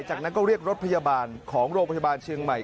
จากนั้นก็เรียกรถพยาบาลของโรงพยาบาลเชียงใหม่